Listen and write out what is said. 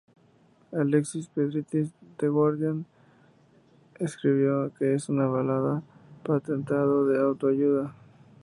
Alexis Petridis de "The Guardian" escribió que es una "balada patentado de auto-ayuda".